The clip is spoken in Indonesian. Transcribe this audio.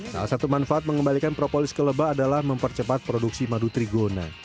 salah satu manfaat mengembalikan propolis ke leba adalah mempercepat produksi madu trigona